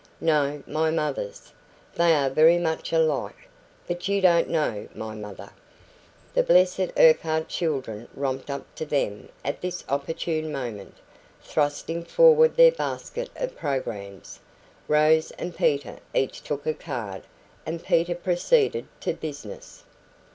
"No, my mother's. They are very much alike. But you don't know my mother " The blessed Urquhart children romped up to them at this opportune moment, thrusting forward their basket of programmes. Rose and Peter each took a card, and Peter proceeded to business.